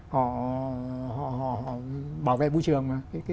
họ bảo vệ môi trường